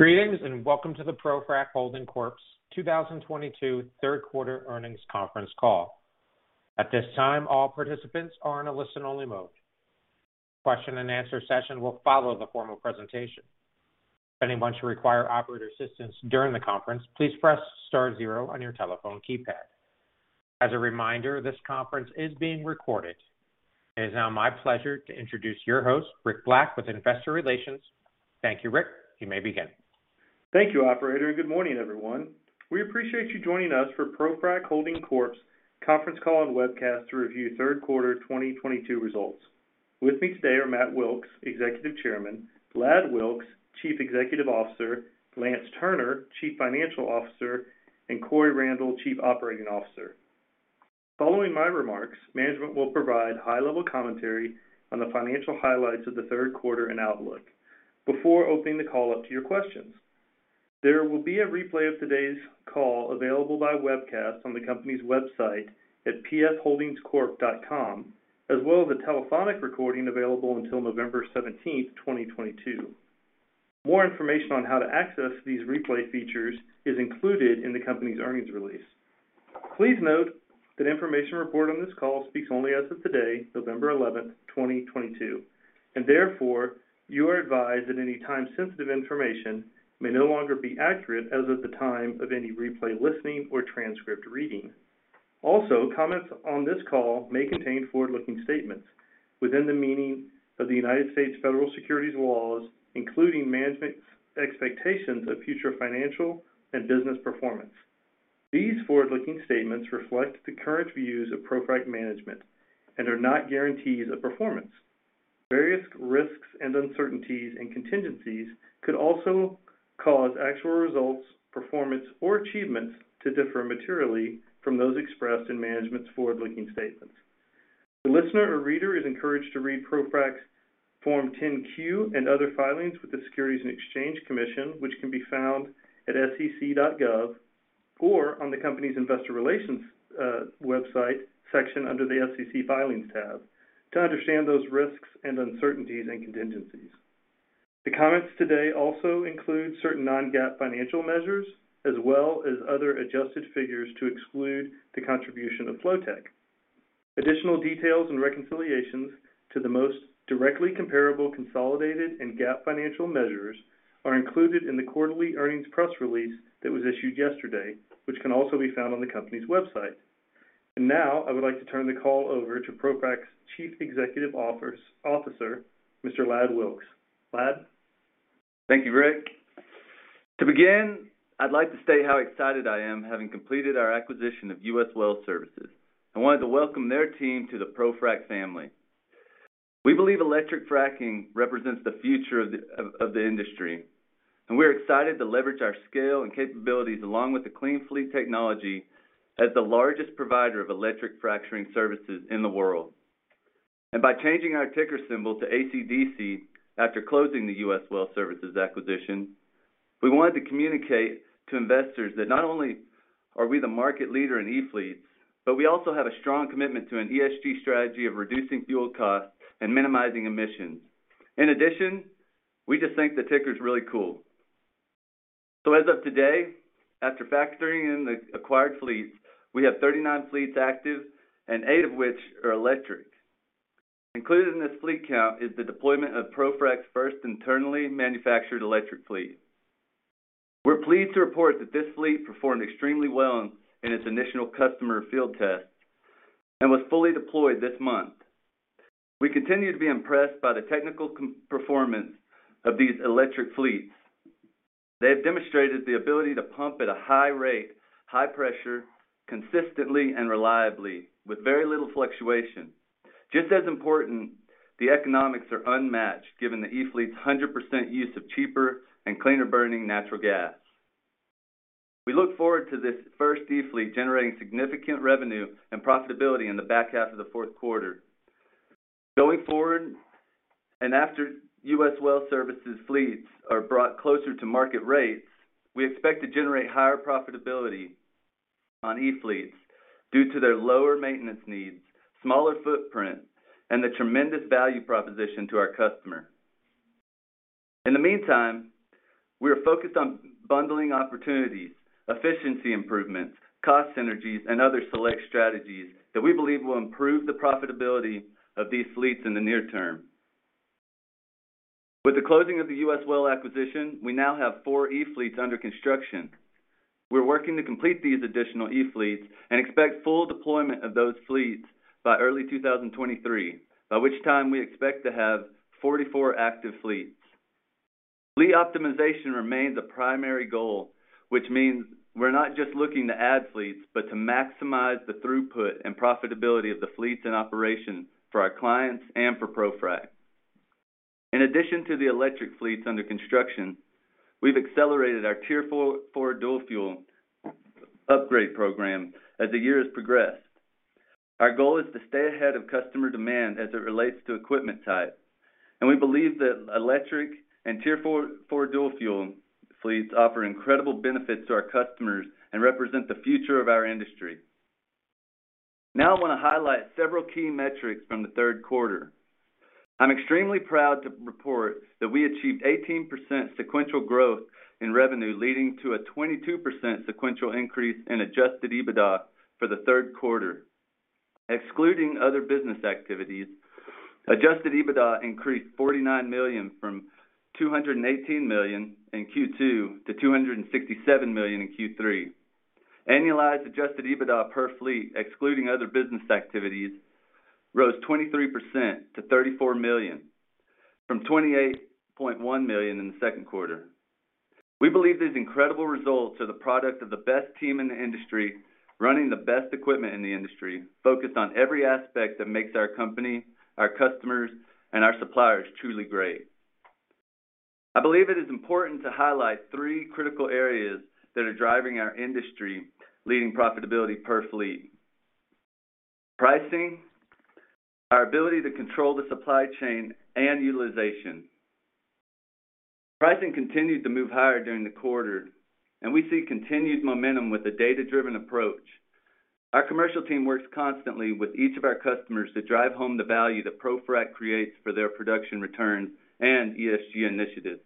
Greetings, and welcome to the ProFrac Holding Corp.'s 2022 third quarter earnings conference call. At this time, all participants are in a listen-only mode. Question and answer session will follow the formal presentation. If anyone should require operator assistance during the conference, please press star zero on your telephone keypad. As a reminder, this conference is being recorded. It is now my pleasure to introduce your host, Rick Black with Investor Relations. Thank you, Rick. You may begin. Thank you, operator, and good morning, everyone. We appreciate you joining us for ProFrac Holding Corp's conference call and webcast to review third quarter 2022 results. With me today are Matthew D. Wilks, Executive Chairman, Ladd Wilks, Chief Executive Officer, Lance Turner, Chief Financial Officer, and Coy Randle, Chief Operating Officer. Following my remarks, management will provide high-level commentary on the financial highlights of the third quarter and outlook before opening the call up to your questions. There will be a replay of today's call available by webcast on the company's website at pfholdingscorp.com, as well as a telephonic recording available until November 17, 2022. More information on how to access these replay features is included in the company's earnings release. Please note that information reported on this call speaks only as of today, November 11, 2022, and therefore, you are advised that any time-sensitive information may no longer be accurate as of the time of any replay listening or transcript reading. Also, comments on this call may contain forward-looking statements within the meaning of the United States federal securities laws, including management's expectations of future financial and business performance. These forward-looking statements reflect the current views of ProFrac management and are not guarantees of performance. Various risks and uncertainties and contingencies could also cause actual results, performance, or achievements to differ materially from those expressed in management's forward-looking statements. The listener or reader is encouraged to read ProFrac's Form 10-Q and other filings with the Securities and Exchange Commission, which can be found at sec.gov or on the company's investor relations website section under the SEC Filings tab to understand those risks and uncertainties and contingencies. The comments today also include certain non-GAAP financial measures as well as other adjusted figures to exclude the contribution of Flotek. Additional details and reconciliations to the most directly comparable consolidated and GAAP financial measures are included in the quarterly earnings press release that was issued yesterday, which can also be found on the company's website. Now, I would like to turn the call over to ProFrac's Chief Executive Officer, Mr. Ladd Wilks. Ladd? Thank you, Rick. To begin, I'd like to state how excited I am having completed our acquisition of U.S. Well Services and wanted to welcome their team to the ProFrac family. We believe electric fracking represents the future of the industry, and we're excited to leverage our scale and capabilities along with the clean fleet technology as the largest provider of electric fracturing services in the world. By changing our ticker symbol to ACDC after closing the U.S. Well Services acquisition, we wanted to communicate to investors that not only are we the market leader in E-Fleets, but we also have a strong commitment to an ESG strategy of reducing fuel costs and minimizing emissions. In addition, we just think the ticker is really cool. As of today, after factoring in the acquired fleets, we have 39 fleets active, and eight of which are electric. Included in this fleet count is the deployment of ProFrac's first internally manufactured electric fleet. We're pleased to report that this fleet performed extremely well in its initial customer field test and was fully deployed this month. We continue to be impressed by the technical performance of these electric fleets. They have demonstrated the ability to pump at a high rate, high pressure, consistently and reliably with very little fluctuation. Just as important, the economics are unmatched given the E-Fleet's 100% use of cheaper and cleaner burning natural gas. We look forward to this first E-Fleet generating significant revenue and profitability in the back half of the fourth quarter. Going forward, after U.S. Well Services fleets are brought closer to market rates, we expect to generate higher profitability on E-Fleets due to their lower maintenance needs, smaller footprint, and the tremendous value proposition to our customer. In the meantime, we are focused on bundling opportunities, efficiency improvements, cost synergies, and other select strategies that we believe will improve the profitability of thes E-Fleets in the near term. With the closing of the U.S. Well Services acquisition, we now have four E-Fleets under construction. We're working to complete these additional E-Fleets and expect full deployment of thos E-Fleets by early 2023, by which time we expect to have 44 activ E-Fleets. Fleet optimization remains a primary goal, which means we're not just looking to add fleets, but to maximize the throughput and profitability of th E-Fleets in operation for our clients and for ProFrac. In addition to the electric fleets under construction, we've accelerated our Tier 4 dual fuel upgrade program as the years progress. Our goal is to stay ahead of customer demand as it relates to equipment type, and we believe that electric and Tier 4 dual fuel fleets offer incredible benefits to our customers and represent the future of our industry. Now I wanna highlight several key metrics from the third quarter. I'm extremely proud to report that we achieved 18% sequential growth in revenue, leading to a 22% sequential increase in adjusted EBITDA for the third quarter. Excluding other business activities, adjusted EBITDA increased $49 million from $218 million in Q2 to $267 million in Q3. Annualized adjusted EBITDA per fleet excluding other business activities rose 23% to $34 million from $28.1 million in the second quarter. We believe these incredible results are the product of the best team in the industry, running the best equipment in the industry, focused on every aspect that makes our company, our customers, and our suppliers truly great. I believe it is important to highlight three critical areas that are driving our industry leading profitability per fleet. Pricing, our ability to control the supply chain, and utilization. Pricing continued to move higher during the quarter, and we see continued momentum with a data-driven approach. Our commercial team works constantly with each of our customers to drive home the value that ProFrac creates for their production return and ESG initiatives.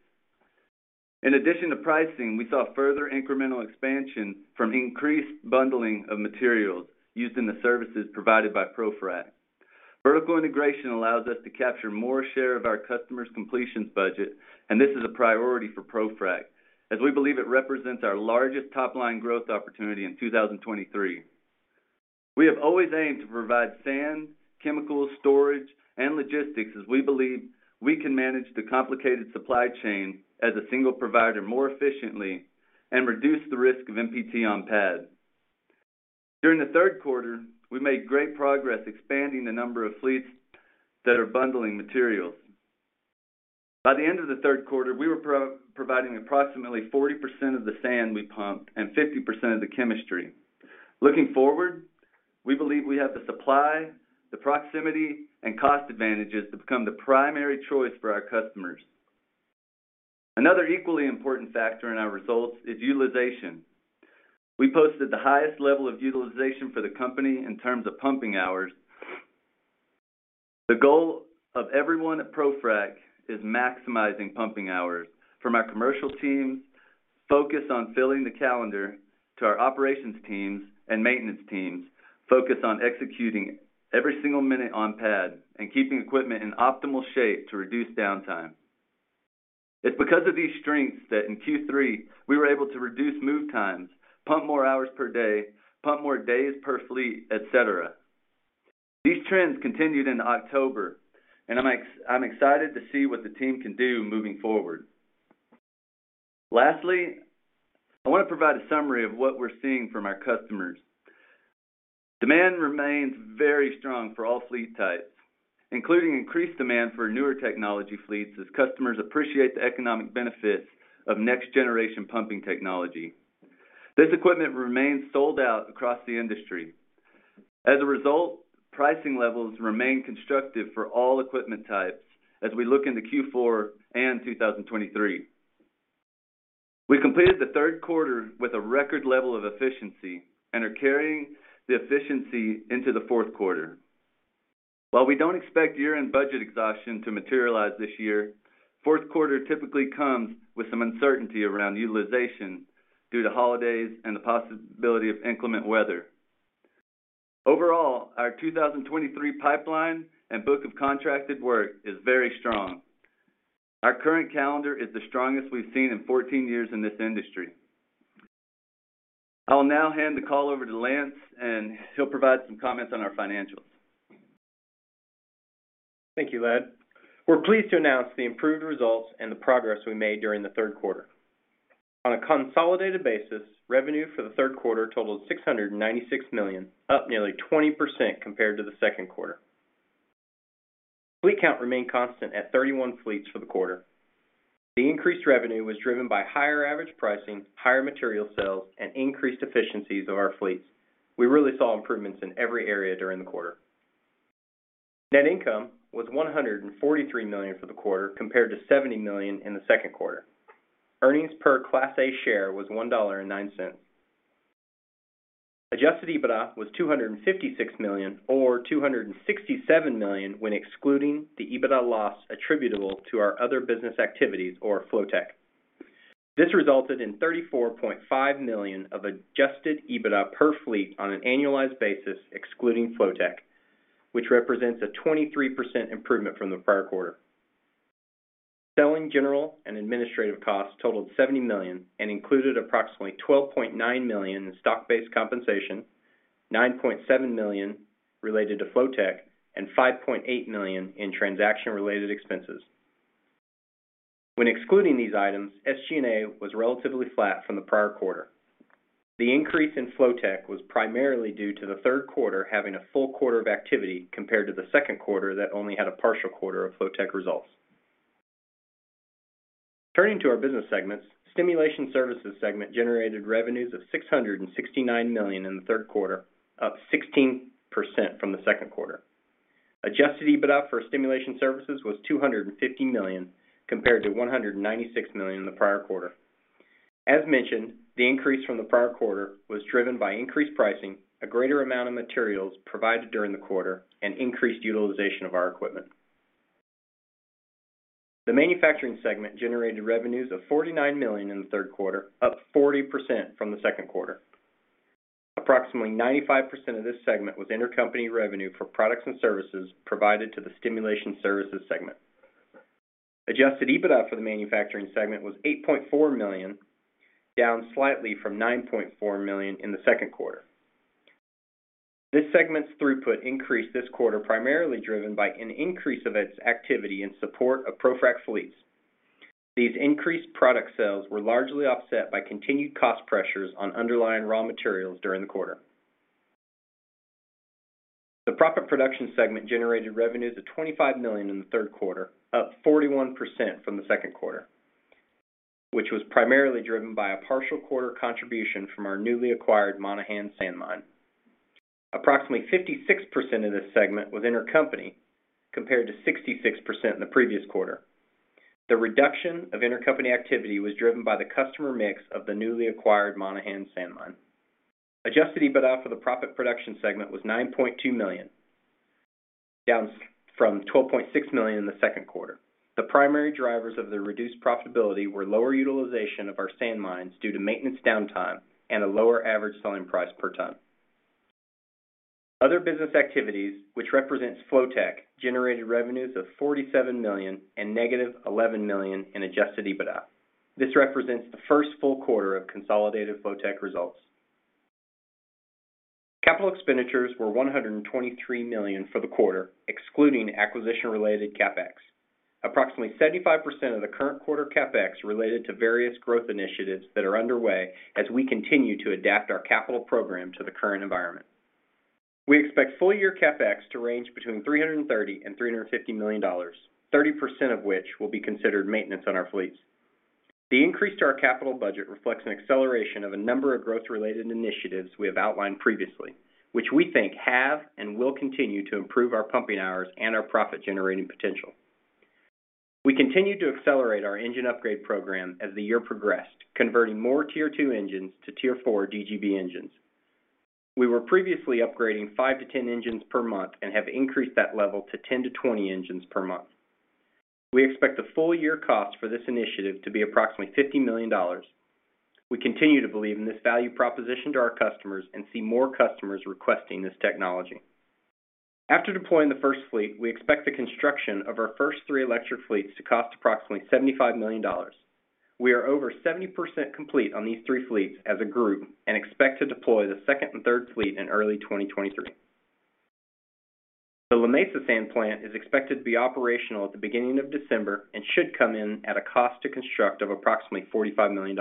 In addition to pricing, we saw further incremental expansion from increased bundling of materials used in the services provided by ProFrac. Vertical integration allows us to capture more share of our customers' completions budget, and this is a priority for ProFrac, as we believe it represents our largest top-line growth opportunity in 2023. We have always aimed to provide sand, chemical, storage, and logistics as we believe we can manage the complicated supply chain as a single provider more efficiently and reduce the risk of NPT on pad. During the third quarter, we made great progress expanding the number of fleets that are bundling materials. By the end of the third quarter, we were providing approximately 40% of the sand we pumped and 50% of the chemistry. Looking forward, we believe we have the supply, the proximity, and cost advantages to become the primary choice for our customers. Another equally important factor in our results is utilization. We posted the highest level of utilization for the company in terms of pumping hours. The goal of everyone at ProFrac is maximizing pumping hours from our commercial teams focused on filling the calendar to our operations teams and maintenance teams focused on executing every single minute on pad and keeping equipment in optimal shape to reduce downtime. It's because of these strengths that in Q3, we were able to reduce move times, pump more hours per day, pump more days per fleet, et cetera. These trends continued into October, and I'm excited to see what the team can do moving forward. Lastly, I wanna provide a summary of what we're seeing from our customers. Demand remains very strong for all fleet types, including increased demand for newer technology fleets as customers appreciate the economic benefits of next-generation pumping technology. This equipment remains sold out across the industry. As a result, pricing levels remain constructive for all equipment types as we look into Q4 and 2023. We completed the third quarter with a record level of efficiency and are carrying the efficiency into the fourth quarter. While we don't expect year-end budget exhaustion to materialize this year, fourth quarter typically comes with some uncertainty around utilization due to holidays and the possibility of inclement weather. Overall, our 2023 pipeline and book of contracted work is very strong. Our current calendar is the strongest we've seen in 14 years in this industry. I'll now hand the call over to Lance and he'll provide some comments on our financials. Thank you, Ladd. We're pleased to announce the improved results and the progress we made during the third quarter. On a consolidated basis, revenue for the third quarter totaled $696 million, up nearly 20% compared to the second quarter. Fleet count remained constant at 31 fleets for the quarter. The increased revenue was driven by higher average pricing, higher material sales, and increased efficiencies of our fleets. We really saw improvements in every area during the quarter. Net income was $143 million for the quarter, compared to $70 million in the second quarter. Earnings per Class A share was $1.09. Adjusted EBITDA was $256 million or $267 million when excluding the EBITDA loss attributable to our other business activities or Flotek. This resulted in $34.5 million of adjusted EBITDA per fleet on an annualized basis excluding Flotek, which represents a 23% improvement from the prior quarter. Selling, general, and administrative costs totaled $70 million and included approximately $12.9 million in stock-based compensation, $9.7 million related to Flotek, and $5.8 million in transaction-related expenses. When excluding these items, SG&A was relatively flat from the prior quarter. The increase in Flotek was primarily due to the third quarter having a full quarter of activity compared to the second quarter that only had a partial quarter of Flotek results. Turning to our business segments, Stimulation Services segment generated revenues of $669 million in the third quarter, up 16% from the second quarter. Adjusted EBITDA for Stimulation Services was $250 million compared to $196 million in the prior quarter. As mentioned, the increase from the prior quarter was driven by increased pricing, a greater amount of materials provided during the quarter, and increased utilization of our equipment. The manufacturing segment generated revenues of $49 million in the third quarter, up 40% from the second quarter. Approximately 95% of this segment was intercompany revenue for products and services provided to the stimulation services segment. Adjusted EBITDA for the manufacturing segment was $8.4 million, down slightly from $9.4 million in the second quarter. This segment's throughput increased this quarter primarily driven by an increase of its activity in support of ProFrac fleets. These increased product sales were largely offset by continued cost pressures on underlying raw materials during the quarter. The Proppant Production segment generated revenues of $25 million in the third quarter, up 41% from the second quarter, which was primarily driven by a partial quarter contribution from our newly acquired Monahans Sand Mine. Approximately 56% of this segment was intercompany, compared to 66% in the previous quarter. The reduction of intercompany activity was driven by the customer mix of the newly acquired Monahans Sand Mine. Adjusted EBITDA for the Proppant Production segment was $9.2 million, down from $12.6 million in the second quarter. The primary drivers of the reduced profitability were lower utilization of our sand mines due to maintenance downtime and a lower average selling price per ton. Other business activities, which represents Flotek, generated revenues of $47 million and negative $11 million in adjusted EBITDA. This represents the first full quarter of consolidated Flotek results. Capital expenditures were $123 million for the quarter, excluding acquisition-related CapEx. Approximately 75% of the current quarter CapEx related to various growth initiatives that are underway as we continue to adapt our capital program to the current environment. We expect full year CapEx to range between $330 million-$350 million, 30% of which will be considered maintenance on our fleets. The increase to our capital budget reflects an acceleration of a number of growth-related initiatives we have outlined previously, which we think have and will continue to improve our pumping hours and our profit-generating potential. We continue to accelerate our engine upgrade program as the year progressed, converting more Tier 2 engines to Tier 4 DGB engines. We were previously upgrading 5-10 engines per month and have increased that level to 10-20 engines per month. We expect the full year cost for this initiative to be approximately $50 million. We continue to believe in this value proposition to our customers and see more customers requesting this technology. After deploying the first fleet, we expect the construction of our first three electric fleets to cost approximately $75 million. We are over 70% complete on these thre E-Fleets as a group and expect to deploy the second and third fleet in early 2023. The La Mesa Sand Plant is expected to be operational at the beginning of December and should come in at a cost to construct of approximately $45 million.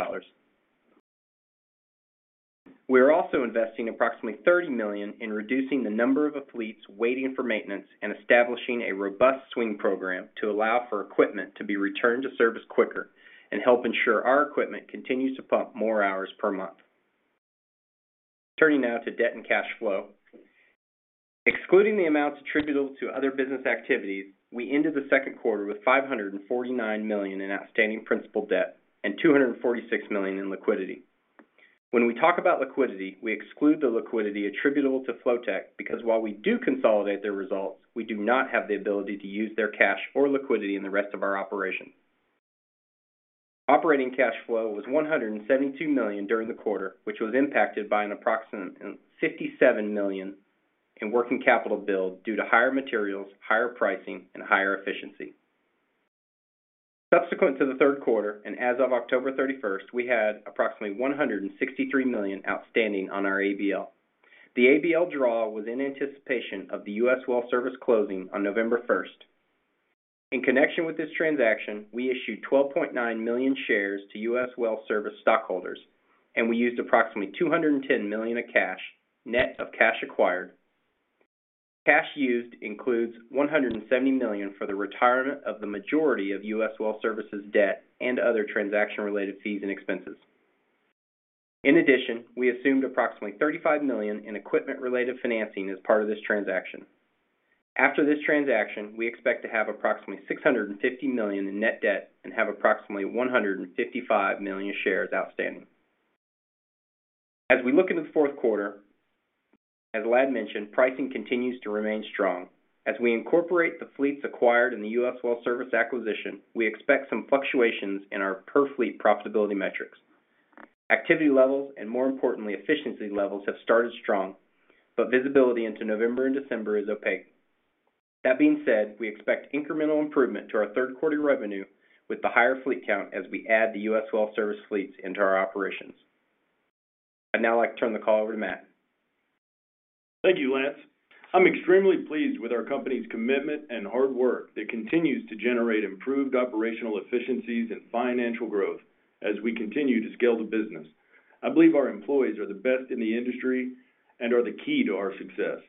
We are also investing approximately $30 million in reducing the number of fleets waiting for maintenance and establishing a robust swing program to allow for equipment to be returned to service quicker and help ensure our equipment continues to pump more hours per month. Turning now to debt and cash flow. Excluding the amounts attributable to other business activities, we ended the second quarter with $549 million in outstanding principal debt and $246 million in liquidity. When we talk about liquidity, we exclude the liquidity attributable to Flotek because while we do consolidate their results, we do not have the ability to use their cash or liquidity in the rest of our operation. Operating cash flow was $172 million during the quarter, which was impacted by approximately $57 million in working capital build due to higher materials, higher pricing, and higher efficiency. Subsequent to the third quarter, and as of October 31, we had approximately $163 million outstanding on our ABL. The ABL draw was in anticipation of the U.S. Well Services closing on November 1. In connection with this transaction, we issued 12.9 million shares to U.S. Well Services stockholders, and we used approximately $210 million of cash, net of cash acquired. Cash used includes $170 million for the retirement of the majority of U.S. Well Services debt and other transaction-related fees and expenses. In addition, we assumed approximately $35 million in equipment-related financing as part of this transaction. After this transaction, we expect to have approximately $650 million in net debt and have approximately 155 million shares outstanding. As we look into the fourth quarter, as Ladd mentioned, pricing continues to remain strong. As we incorporate th E-Fleets acquired in the U.S. Well Services acquisition, we expect some fluctuations in our per fleet profitability metrics. Activity levels, and more importantly, efficiency levels have started strong, but visibility into November and December is opaque. That being said, we expect incremental improvement to our third quarter revenue with the higher fleet count as we add the U.S. Well Services fleets into our operations. I'd now like to turn the call over to Matt. Thank you, Lance. I'm extremely pleased with our company's commitment and hard work that continues to generate improved operational efficiencies and financial growth as we continue to scale the business. I believe our employees are the best in the industry and are the key to our success.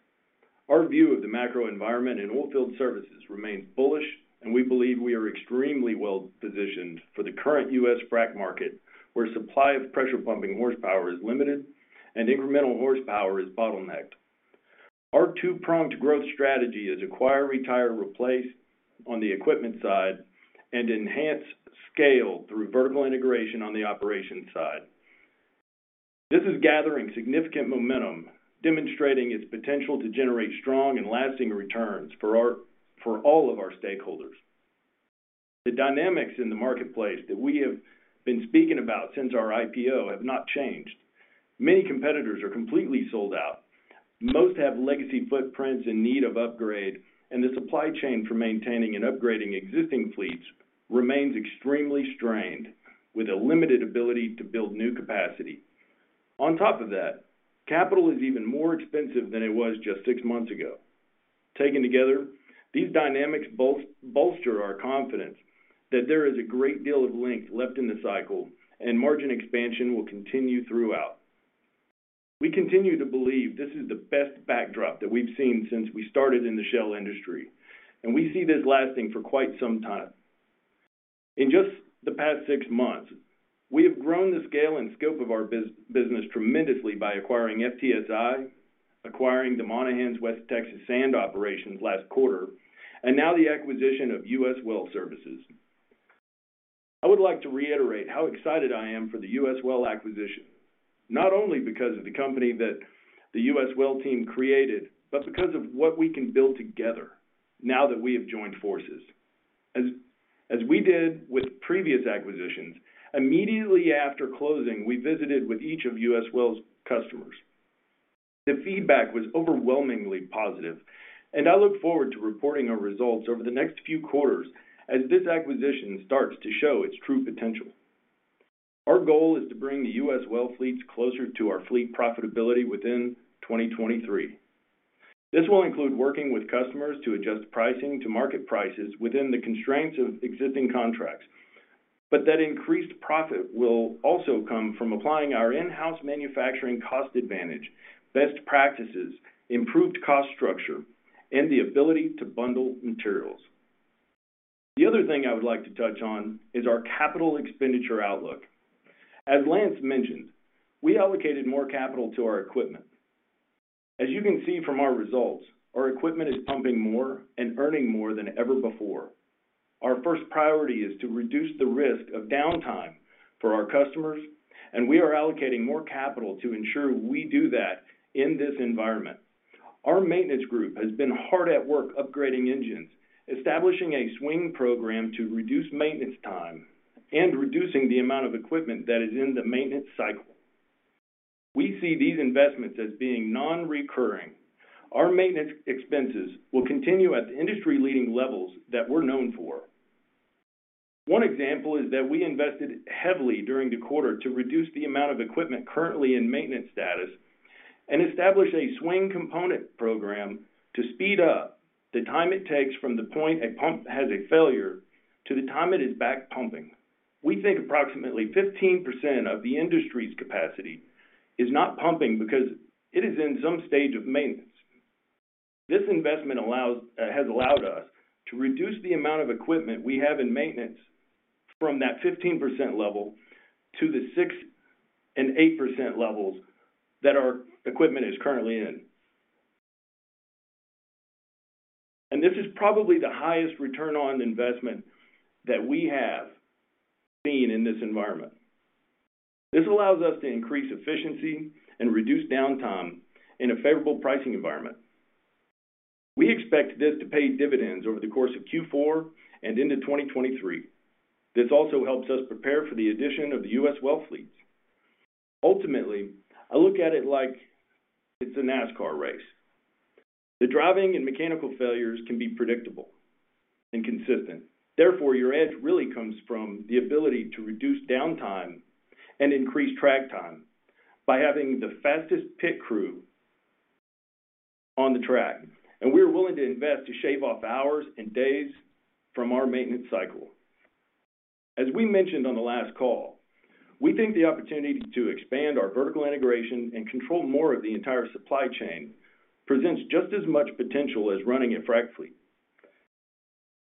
Our view of the macro environment in oil field services remains bullish, and we believe we are extremely well positioned for the current U.S. frac market, where supply of pressure pumping horsepower is limited and incremental horsepower is bottlenecked. Our two-pronged growth strategy is acquire, retire, replace on the equipment side and enhance scale through vertical integration on the operations side. This is gathering significant momentum, demonstrating its potential to generate strong and lasting returns for all of our stakeholders. The dynamics in the marketplace that we have been speaking about since our IPO have not changed. Many competitors are completely sold out. Most have legacy footprints in need of upgrade, and the supply chain for maintaining and upgrading existing fleets remains extremely strained, with a limited ability to build new capacity. On top of that, capital is even more expensive than it was just six months ago. Taken together, these dynamics bolster our confidence that there is a great deal of length left in the cycle and margin expansion will continue throughout. We continue to believe this is the best backdrop that we've seen since we started in the shale industry, and we see this lasting for quite some time. In just the past six months, we have grown the scale and scope of our business tremendously by acquiring FTS International, acquiring the Monahans West Texas sand operations last quarter, and now the acquisition of U.S. Well Services. I would like to reiterate how excited I am for the U.S. Well acquisition, not only because of the company that the U.S. Well team created, but because of what we can build together now that we have joined forces. As we did with previous acquisitions, immediately after closing, we visited with each of U.S. Well's customers. The feedback was overwhelmingly positive, and I look forward to reporting our results over the next few quarters as this acquisition starts to show its true potential. Our goal is to bring the U.S. Well fleets closer to our fleet profitability within 2023. This will include working with customers to adjust pricing to market prices within the constraints of existing contracts. That increased profit will also come from applying our in-house manufacturing cost advantage, best practices, improved cost structure, and the ability to bundle materials. The other thing I would like to touch on is our capital expenditure outlook. As Lance mentioned, we allocated more capital to our equipment. As you can see from our results, our equipment is pumping more and earning more than ever before. Our first priority is to reduce the risk of downtime for our customers, and we are allocating more capital to ensure we do that in this environment. Our maintenance group has been hard at work upgrading engines, establishing a swing program to reduce maintenance time and reducing the amount of equipment that is in the maintenance cycle. We see these investments as being non-recurring. Our maintenance expenses will continue at the industry-leading levels that we're known for. One example is that we invested heavily during the quarter to reduce the amount of equipment currently in maintenance status and established a swing component program to speed up the time it takes from the point a pump has a failure to the time it is back pumping. We think approximately 15% of the industry's capacity is not pumping because it is in some stage of maintenance. This investment has allowed us to reduce the amount of equipment we have in maintenance from that 15% level to the 6%-8% levels that our equipment is currently in. This is probably the highest return on investment that we have seen in this environment. This allows us to increase efficiency and reduce downtime in a favorable pricing environment. We expect this to pay dividends over the course of Q4 and into 2023. This also helps us prepare for the addition of the U.S. Well fleets. Ultimately, I look at it like it's a NASCAR race. The driving and mechanical failures can be predictable and consistent. Therefore, your edge really comes from the ability to reduce downtime and increase track time by having the fastest pit crew on the track. We're willing to invest to shave off hours and days from our maintenance cycle. As we mentioned on the last call, we think the opportunity to expand our vertical integration and control more of the entire supply chain presents just as much potential as running a frac fleet.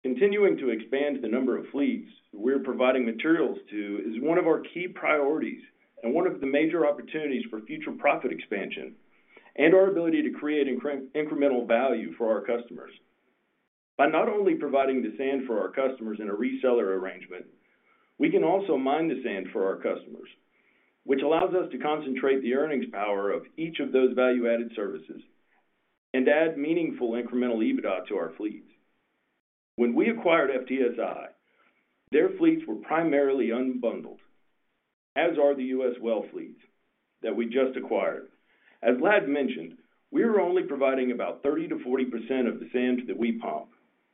Continuing to expand the number of fleets we're providing materials to is one of our key priorities and one of the major opportunities for future profit expansion and our ability to create incremental value for our customers. By not only providing the sand for our customers in a reseller arrangement, we can also mine the sand for our customers, which allows us to concentrate the earnings power of each of those value-added services and add meaningful incremental EBITDA to our fleets. When we acquired FTSI, their fleets were primarily unbundled, as are the U.S. Well fleets that we just acquired. As Ladd mentioned, we are only providing about 30%-40% of the sands that we pump,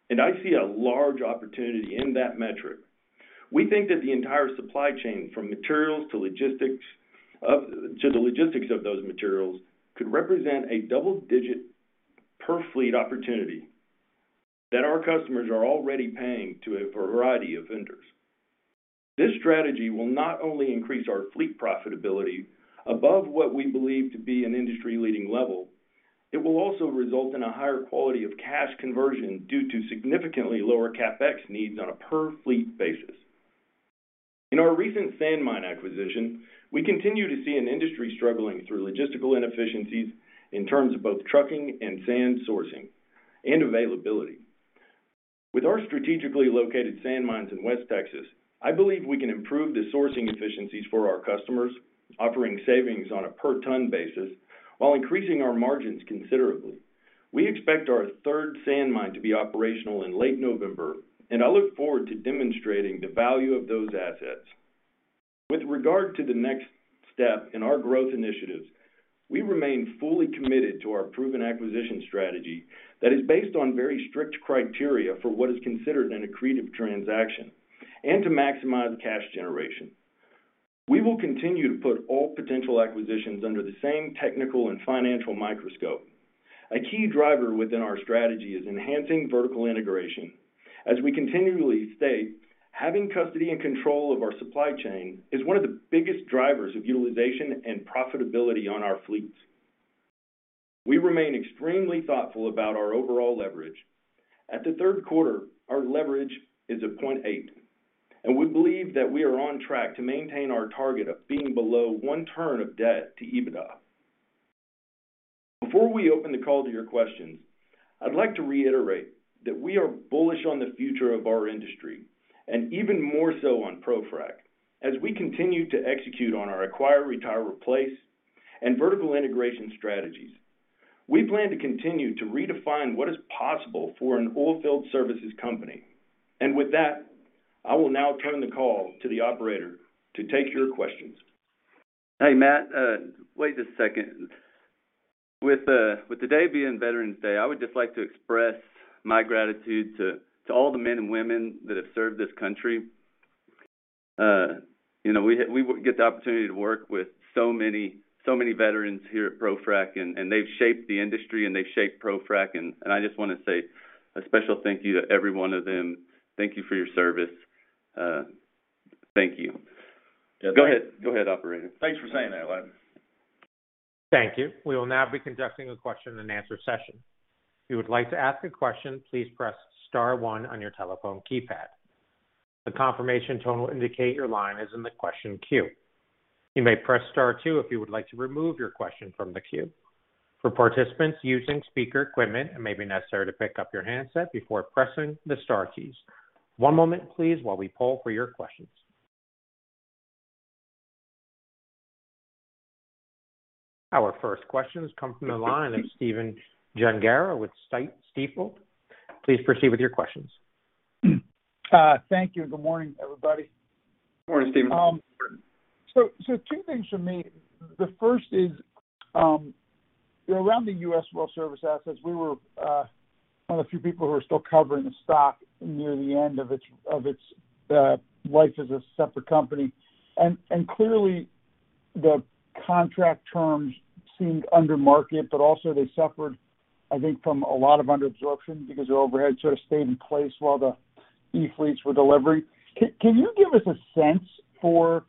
and I see a large opportunity in that metric. We think that the entire supply chain, from materials to the logistics of those materials, could represent a double-digit per fleet opportunity that our customers are already paying to a variety of vendors. This strategy will not only increase our fleet profitability above what we believe to be an industry-leading level, it will also result in a higher quality of cash conversion due to significantly lower CapEx needs on a per fleet basis. In our recent sand mine acquisition, we continue to see an industry struggling through logistical inefficiencies in terms of both trucking and sand sourcing and availability. With our strategically located sand mines in West Texas, I believe we can improve the sourcing efficiencies for our customers, offering savings on a per ton basis while increasing our margins considerably. We expect our third sand mine to be operational in late November, and I look forward to demonstrating the value of those assets. With regard to the next step in our growth initiatives, we remain fully committed to our proven acquisition strategy that is based on very strict criteria for what is considered an accretive transaction and to maximize cash generation. We will continue to put all potential acquisitions under the same technical and financial microscope. A key driver within our strategy is enhancing vertical integration. As we continually state, having custody and control of our supply chain is one of the biggest drivers of utilization and profitability on our fleets. We remain extremely thoughtful about our overall leverage. At the third quarter, our leverage is at 0.8, and we believe that we are on track to maintain our target of being below one turn of debt to EBITDA. Before we open the call to your questions, I'd like to reiterate that we are bullish on the future of our industry and even more so on ProFrac. As we continue to execute on our acquire, retire, replace, and vertical integration strategies, we plan to continue to redefine what is possible for an oilfield services company. With that, I will now turn the call to the operator to take your questions. Hey, Matt, wait a second. With today being Veterans Day, I would just like to express my gratitude to all the men and women that have served this country. You know, we get the opportunity to work with so many veterans here at ProFrac, and they've shaped the industry and they've shaped ProFrac. I just wanna say a special thank you to every one of them. Thank you for your service. Thank you. Go ahead, operator. Thanks for saying that, Ladd. Thank you. We will now be conducting a question and answer session. If you would like to ask a question, please press star one on your telephone keypad. The confirmation tone will indicate your line is in the question queue. You may press star two if you would like to remove your question from the queue. For participants using speaker equipment, it may be necessary to pick up your handset before pressing the star keys. One moment please while we poll for your questions. Our first questions come from the line of Stephen Gengaro with Stifel. Please proceed with your questions. Thank you, and good morning, everybody. Good morning, Stephen. Two things from me. The first is around the U.S. Well Services assets we were one of the few people who are still covering the stock near the end of its life as a separate company. Clearly the contract terms seemed under market, but also they suffered, I think, from a lot of under absorption because their overhead sort of stayed in place while the E-Fleets were delivering. Can you give us a sense for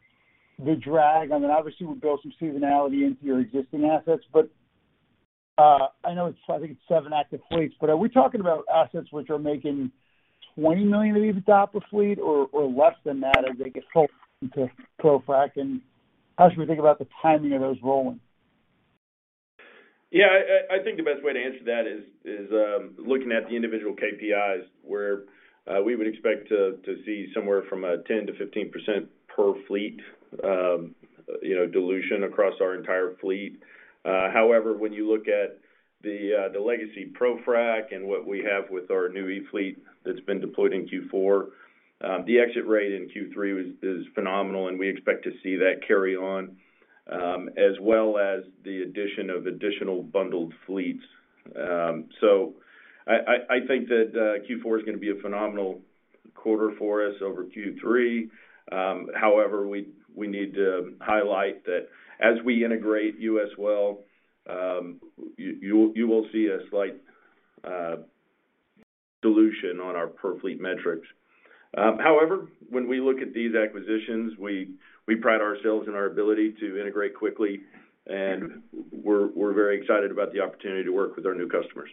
the drag? I mean, obviously we build some seasonality into your existing assets, but I know it's seven active E-Fleets, but are we talking about assets which are making $20 million of these EBITDA per fleet or less than that as they get sold into ProFrac? How should we think about the timing of those rolling? Yeah, I think the best way to answer that is looking at the individual KPIs where we would expect to see somewhere from 10%-15% per fleet, you know, dilution across our entir E-Fleet. However, when you look at the legacy ProFrac and what we have with our new E-Fleet that's been deployed in Q4, the exit rate in Q3 is phenomenal, and we expect to see that carry on as well as the addition of additional bundled fleets. I think that Q4 is gonna be a phenomenal quarter for us over Q3. However, we need to highlight that as we integrate you as well, you will see a slight dilution on our per fleet metrics. However, when we look at these acquisitions, we pride ourselves in our ability to integrate quickly, and we're very excited about the opportunity to work with our new customers.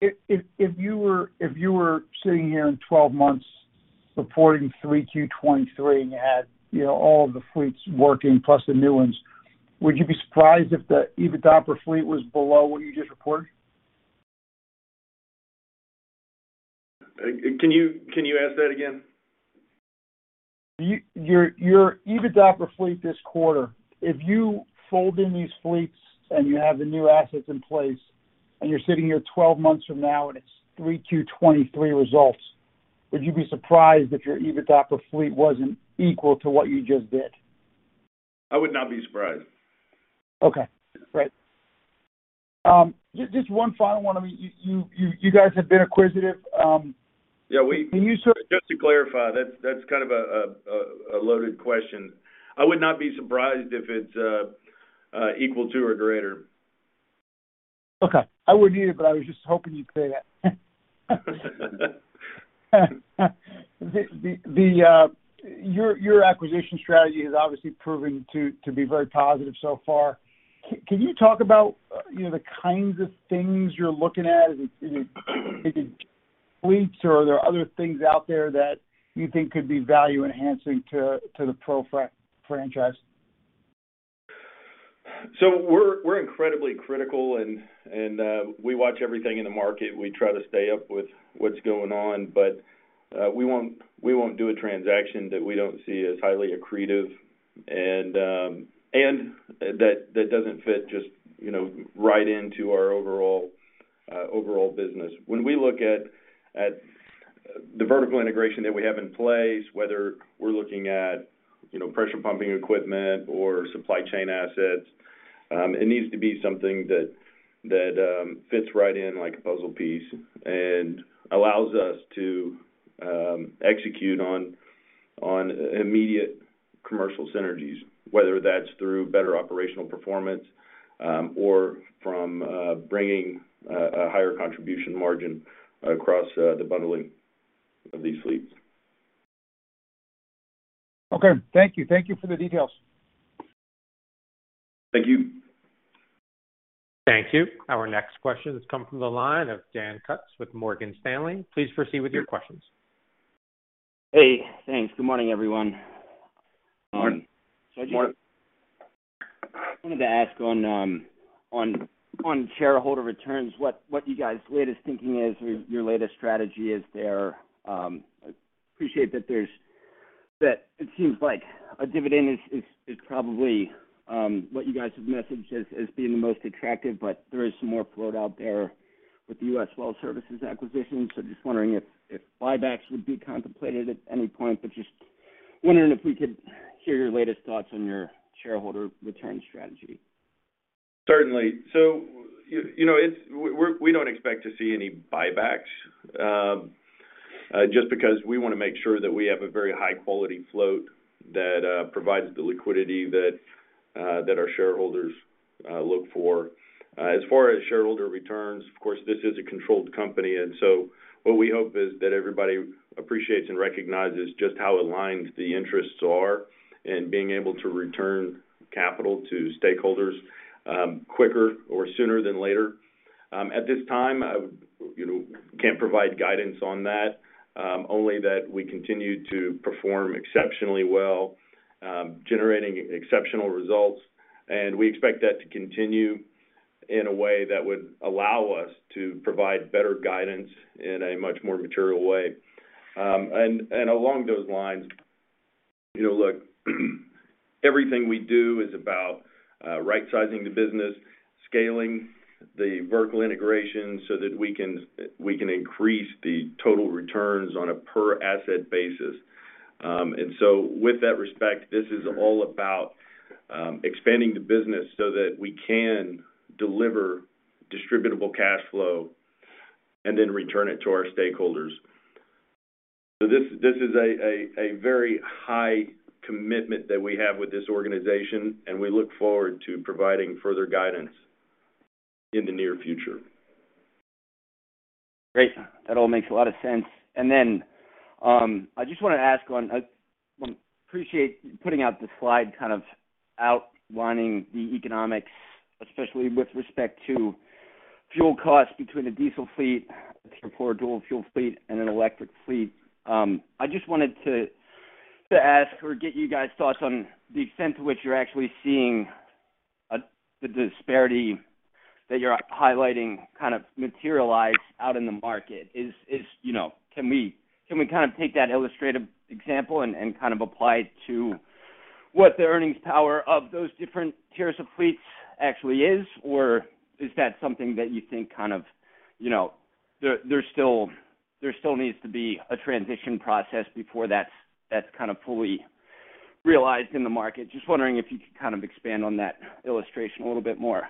If you were sitting here in 12 months reporting 3Q 2023 and you had, you know, all th E-Fleets working plus the new ones, would you be surprised if the EBITDA per fleet was below what you just reported? Can you ask that again? Your EBITDA per fleet this quarter, if you fold in thes E-Fleets and you have the new assets in place, and you're sitting here 12 months from now, and it's 3Q 2023 results, would you be surprised if your EBITDA per fleet wasn't equal to what you just did? I would not be surprised. Okay. Great. Just one final one. I mean, you guys have been acquisitive. Can you sort of Just to clarify, that's kind of a loaded question. I would not be surprised if it's equal to or greater. Okay. I wouldn't either, but I was just hoping you'd say that. Your acquisition strategy has obviously proven to be very positive so far. Can you talk about? You know, the kinds of things you're looking at, is it fleets or are there other things out there that you think could be value enhancing to the ProFrac franchise? We're incredibly critical and we watch everything in the market. We try to stay up with what's going on, but we won't do a transaction that we don't see as highly accretive and that doesn't fit just, you know, right into our overall business. When we look at the vertical integration that we have in place, whether we're looking at, you know, pressure pumping equipment or supply chain assets, it needs to be something that fits right in like a puzzle piece and allows us to execute on immediate commercial synergies, whether that's through better operational performance or from bringing a higher contribution margin across the bundling of thes E-Fleets. Okay. Thank you. Thank you for the details. Thank you. Thank you. Our next question has come from the line of Dan Kutz with Morgan Stanley. Please proceed with your questions. Hey, thanks. Good morning, everyone. Good morning. So I just- Good morning. I wanted to ask on shareholder returns, what you guys' latest thinking is, or your latest strategy is there. I appreciate that it seems like a dividend is probably what you guys have messaged as being the most attractive, but there is some more float out there with the U.S. Well Services acquisition. Just wondering if buybacks would be contemplated at any point, but just wondering if we could hear your latest thoughts on your shareholder return strategy. Certainly. You know, we don't expect to see any buybacks, just because we wanna make sure that we have a very high quality float that that our shareholders look for. As far as shareholder returns, of course, this is a controlled company. What we hope is that everybody appreciates and recognizes just how aligned the interests are in being able to return capital to stakeholders, quicker or sooner than later. At this time, I would, you know, can't provide guidance on that, only that we continue to perform exceptionally well, generating exceptional results. We expect that to continue in a way that would allow us to provide better guidance in a much more material way. Along those lines, you know, look, everything we do is about right-sizing the business, scaling the vertical integration so that we can increase the total returns on a per asset basis. With that respect, this is all about expanding the business so that we can deliver distributable cash flow and then return it to our stakeholders. This is a very high commitment that we have with this organization, and we look forward to providing further guidance in the near future. Great. That all makes a lot of sense. I just wanna ask. I appreciate putting out the slide kind of outlining the economics, especially with respect to fuel costs between a diesel fleet, your pure dual fuel fleet and an electric fleet. I just wanted to ask or get you guys' thoughts on the extent to which you're actually seeing the disparity that you're highlighting kind of materialize out in the market. You know, can we kind of take that illustrative example and kind of apply it to what the earnings power of those different tiers of fleets actually is? Is that something that you think kind of, you know, there still needs to be a transition process before that's kind of fully realized in the market? Just wondering if you could kind of expand on that illustration a little bit more.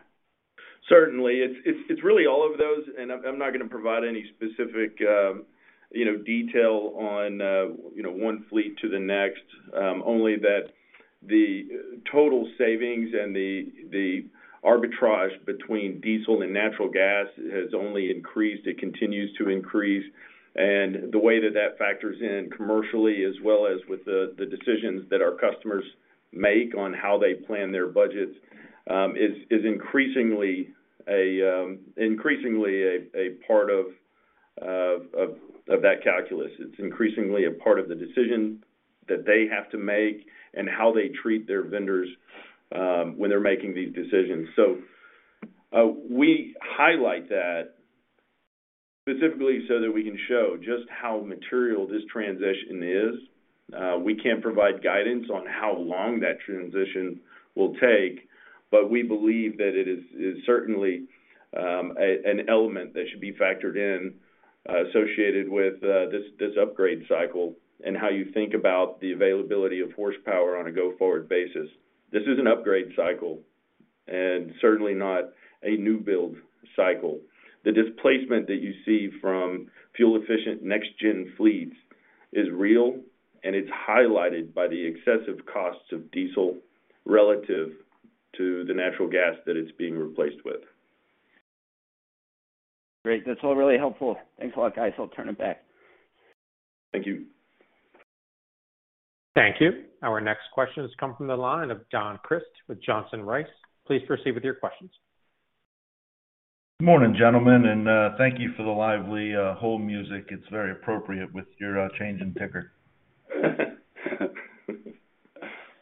Certainly. It's really all of those, and I'm not gonna provide any specific, you know, detail on, you know, on E-Fleet to the next, only that the total savings and the arbitrage between diesel and natural gas has only increased. It continues to increase. The way that that factors in commercially as well as with the decisions that our customers make on how they plan their budgets, is increasingly a part of that calculus. It's increasingly a part of the decision that they have to make and how they treat their vendors, when they're making these decisions. We highlight that specifically so that we can show just how material this transition is. We can't provide guidance on how long that transition will take, but we believe that it is certainly an element that should be factored in, associated with this upgrade cycle and how you think about the availability of horsepower on a go-forward basis. This is an upgrade cycle and certainly not a new build cycle. The displacement that you see from fuel efficient next gen fleets is real, and it's highlighted by the excessive costs of diesel relative to the natural gas that it's being replaced with. Great. That's all really helpful. Thanks a lot, guys. I'll turn it back. Thank you. Thank you. Our next question has come from the line of Don Crist with Johnson Rice. Please proceed with your questions. Morning, gentlemen, and thank you for the lively hold music. It's very appropriate with your change in ticker.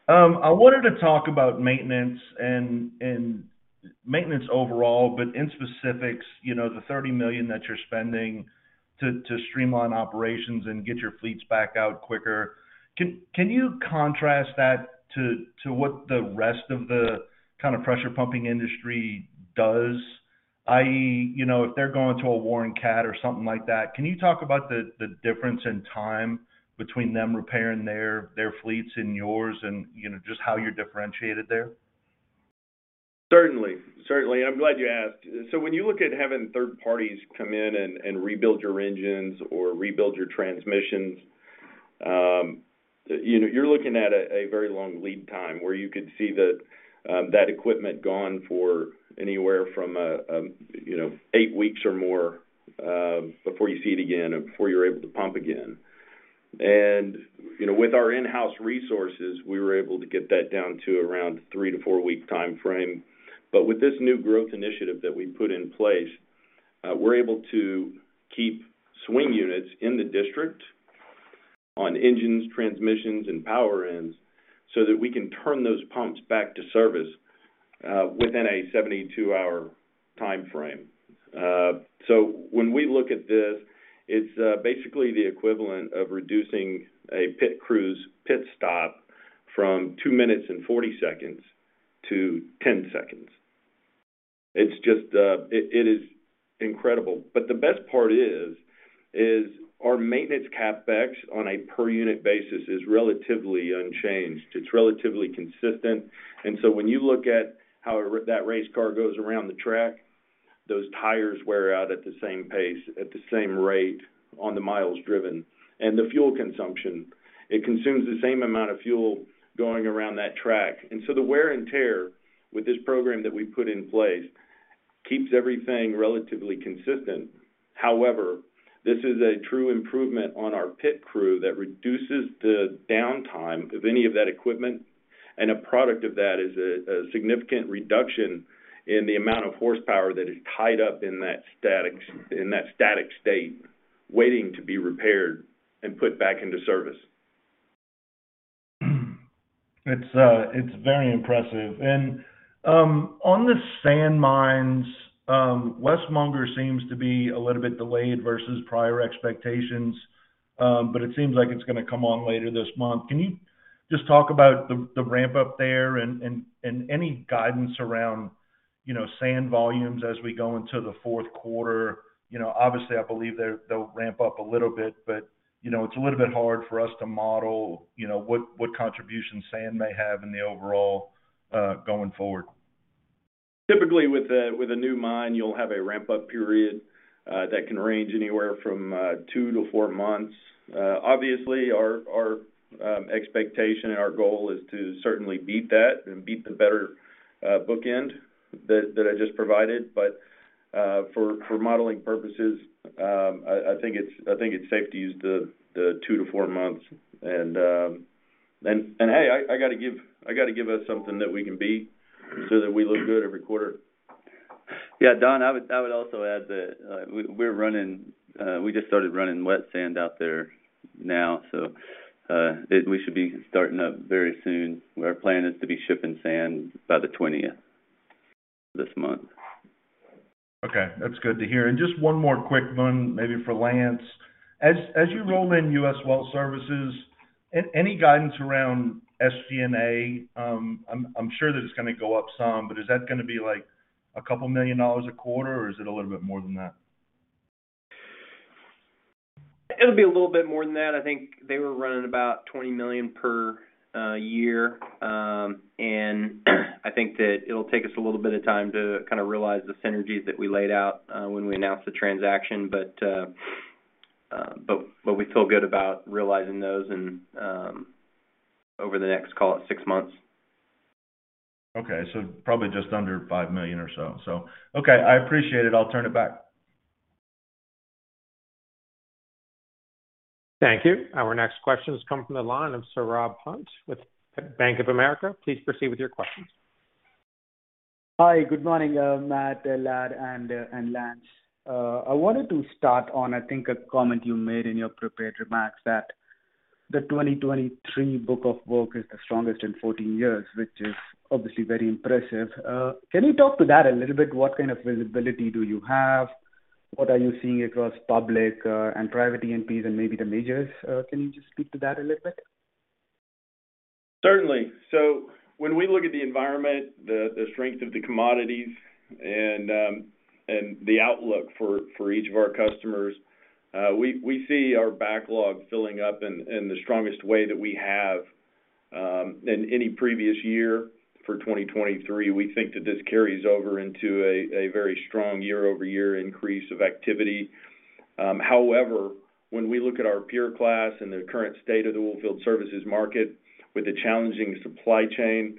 I wanted to talk about maintenance and maintenance overall, but in specifics, you know, the $30 million that you're spending to streamline operations and get your fleets back out quicker. Can you contrast that to what the rest of the kind of pressure pumping industry does? i.e., you know, if they're going to a Warren CAT or something like that. Can you talk about the difference in time between them repairing their fleets and yours and, you know, just how you're differentiated there? Certainly. I'm glad you asked. When you look at having third parties come in and rebuild your engines or rebuild your transmissions, you know, you're looking at a very long lead time where you could see that equipment gone for anywhere from eight weeks or more before you see it again and before you're able to pump again. You know, with our in-house resources, we were able to get that down to around 3-4 week timeframe. With this new growth initiative that we put in place, we're able to keep swing units in the district on engines, transmissions, and power ends so that we can turn those pumps back to service within a 72-hour timeframe. When we look at this, it's basically the equivalent of reducing a pit crew's pit stop from two minutes and 40 seconds to ten seconds. It's just, it is incredible. The best part is our maintenance CapEx on a per unit basis is relatively unchanged. It's relatively consistent. When you look at how that race car goes around the track, those tires wear out at the same pace, at the same rate on the miles driven. The fuel consumption, it consumes the same amount of fuel going around that track. The wear and tear with this program that we've put in place keeps everything relatively consistent. However, this is a true improvement on our pit crew that reduces the downtime of any of that equipment. A product of that is a significant reduction in the amount of horsepower that is tied up in that static state, waiting to be repaired and put back into service. It's very impressive. On the sand mines, La Mesa seems to be a little bit delayed versus prior expectations, but it seems like it's gonna come on later this month. Can you just talk about the ramp up there and any guidance around, you know, sand volumes as we go into the fourth quarter? You know, obviously, I believe they'll ramp up a little bit, but, you know, it's a little bit hard for us to model, you know, what contribution sand may have in the overall going forward. Typically, with a new mine, you'll have a ramp-up period that can range anywhere from 2-4 months. Obviously, our expectation and our goal is to certainly beat that and beat the better bookend that I just provided. For modeling purposes, I think it's safe to use the 2-4 months. Hey, I gotta give us something that we can beat so that we look good every quarter. Yeah, Don, I would also add that, we're running, we just started running wet sand out there now, so, we should be starting up very soon. Our plan is to be shipping sand by the 20th this month. Okay. That's good to hear. Just one more quick one, maybe for Lance. As you roll in U.S. Well Services, any guidance around SG&A? I'm sure that it's gonna go up some, but is that gonna be like $2 million a quarter, or is it a little bit more than that? It'll be a little bit more than that. I think they were running about $20 million per year. I think that it'll take us a little bit of time to kind of realize the synergies that we laid out when we announced the transaction. We feel good about realizing those and over the next, call it six months. Okay. Probably just under $5 million or so. Okay, I appreciate it. I'll turn it back. Thank you. Our next question has come from the line of Saurabh Pant with Bank of America. Please proceed with your questions. Hi. Good morning, Matt, Ladd, and Lance. I wanted to start on, I think, a comment you made in your prepared remarks that the 2023 book of work is the strongest in 14 years, which is obviously very impressive. Can you talk to that a little bit? What kind of visibility do you have? What are you seeing across public and private E&Ps and maybe the majors? Can you just speak to that a little bit? Certainly. When we look at the environment, the strength of the commodities and the outlook for each of our customers, we see our backlog filling up in the strongest way that we have in any previous year for 2023. We think that this carries over into a very strong year-over-year increase of activity. However, when we look at our peer class and the current state of the oilfield services market. With the challenging supply chain,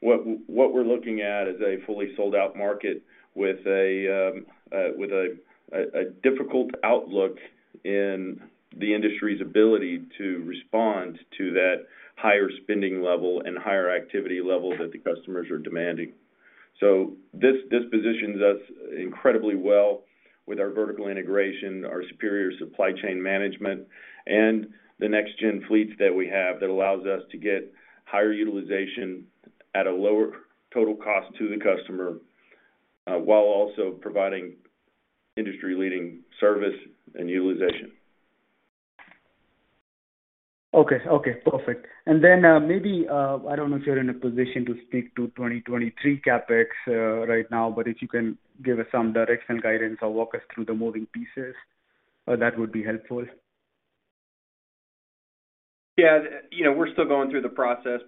what we're looking at is a fully sold-out market with a difficult outlook in the industry's ability to respond to that higher spending level and higher activity level that the customers are demanding. This positions us incredibly well with our vertical integration, our superior supply chain management, and the next gen fleets that we have that allows us to get higher utilization at a lower total cost to the customer, while also providing industry-leading service and utilization. Okay. Okay, perfect. Then, maybe, I don't know if you're in a position to speak to 2023 CapEx right now, but if you can give us some direction, guidance, or walk us through the moving pieces, that would be helpful. Yeah. You know, we're still going through the process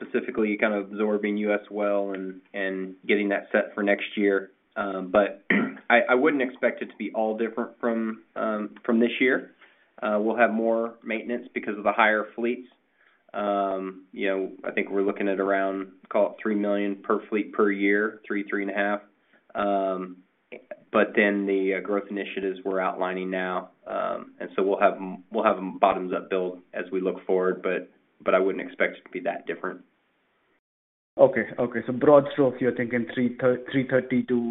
specifically kind of absorbing U.S. Well Services, Inc. and getting that set for next year. I wouldn't expect it to be all different from this year. We'll have more maintenance because of the higher fleets. You know, I think we're looking at around, call it $3 million per fleet per year, $3-$3.5 million. Then the growth initiatives we're outlining now, and so we'll have them bottoms-up build as we look forward, but I wouldn't expect it to be that different. Okay. Broad stroke, you're thinking $330-$350.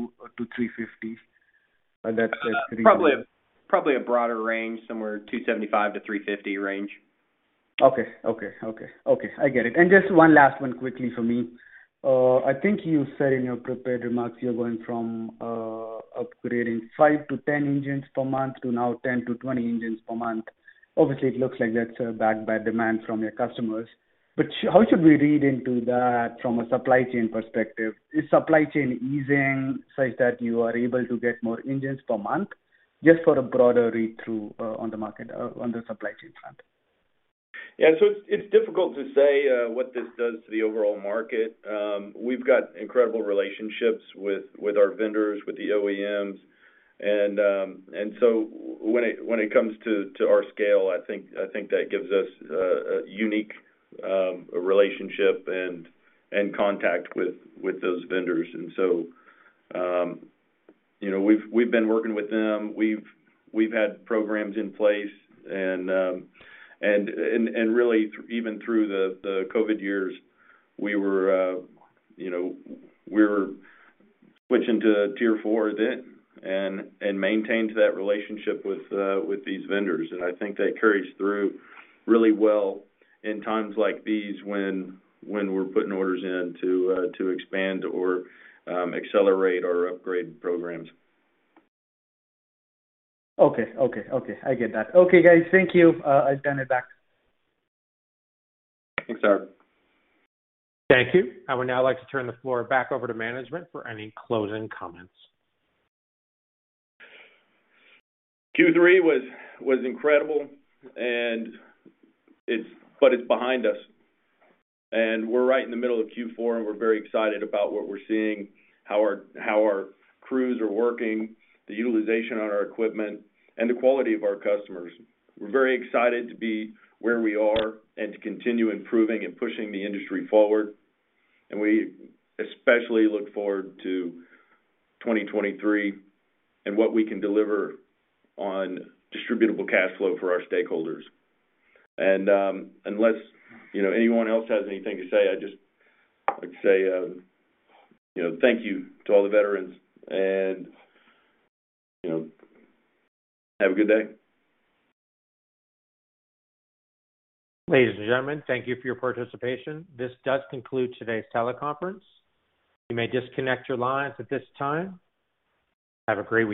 That's like three- Probably a broader range, somewhere 275-350 range. Okay, I get it. Just one last one quickly from me. I think you said in your prepared remarks you're going from upgrading 5-10 engines per month to now 10-20 engines per month. Obviously, it looks like that's backed by demand from your customers. How should we read into that from a supply chain perspective? Is supply chain easing such that you are able to get more engines per month? Just for a broader read-through on the market or on the supply chain front. Yeah. It's difficult to say what this does to the overall market. We've got incredible relationships with our vendors, with the OEMs. When it comes to our scale, I think that gives us a unique relationship and contact with those vendors. You know, we've been working with them. We've had programs in place and really even through the COVID years, we were, you know, switching to Tier 4 then and maintained that relationship with these vendors. I think that carries through really well in times like these when we're putting orders in to expand or accelerate our upgrade programs. Okay, I get that. Okay, guys, thank you. I hand it back. Thanks, Saurabh. Thank you. I would now like to turn the floor back over to management for any closing comments. Q3 was incredible, but it's behind us. We're right in the middle of Q4, and we're very excited about what we're seeing, how our crews are working, the utilization on our equipment, and the quality of our customers. We're very excited to be where we are and to continue improving and pushing the industry forward. We especially look forward to 2023 and what we can deliver on distributable cash flow for our stakeholders. Unless you know anyone else has anything to say, I just—I'd say, you know, thank you to all the veterans and have a good day. Ladies and gentlemen, thank you for your participation. This does conclude today's teleconference. You may disconnect your lines at this time. Have a great week.